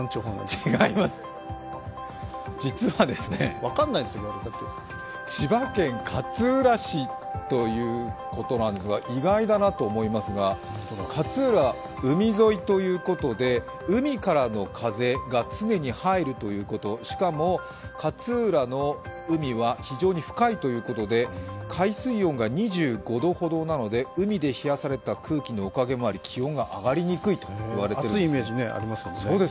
違います、実は千葉県勝浦市ということなんですが、意外だなと思いますが、勝浦、海沿いということで海からの風が常に入るということ、しかも、勝浦の海は非常に深いということで、海水温が２５度ほどなので、海で冷やされた空気のおかげもあり気温が上がりにくいといわれているんです。